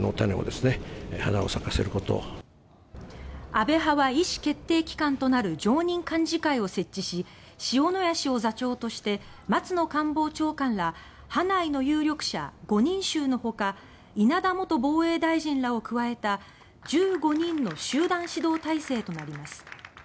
安倍派は意思決定機関となる常任幹事会を設置し塩谷氏を座長として松野官房長官ら派内の有力者５人衆の他稲田元防衛大臣らを加えた１５人の集団指導体制となります。